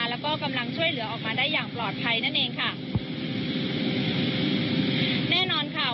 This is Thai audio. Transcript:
แล้วก็กำลังช่วยเหลือออกมาได้อย่างปลอดภัยนั่นเองค่ะแน่นอนค่ะ